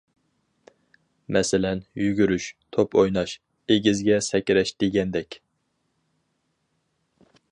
مەسىلەن، يۈگۈرۈش، توپ ئويناش، ئېگىزگە سەكرەش دېگەندەك.